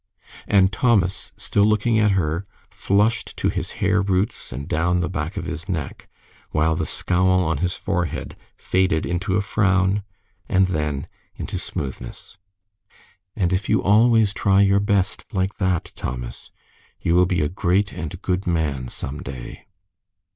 And Thomas, still looking at her, flushed to his hair roots and down the back of his neck, while the scowl on his forehead faded into a frown, and then into smoothness. "And if you always try your best like that, Thomas, you will be a great and good man some day."